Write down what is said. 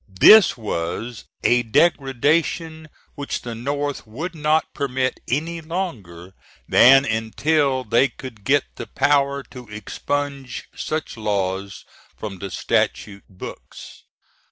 This was a degradation which the North would not permit any longer than until they could get the power to expunge such laws from the statute books.